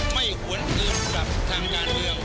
ไม่หวนอื่นกับทางงานเดียว